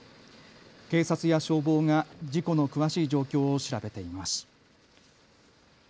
警察や消防が事故の詳しい状況を調べています。